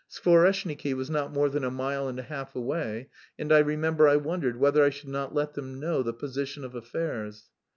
Skvoreshniki was not more than a mile and a half away, and I remember I wondered whether I should not let them know the position of affairs.